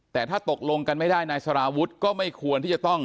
แต่ถ้าตกลงกันไม่ได้นายสารวุฒิก็ไม่ควรที่จะต้อง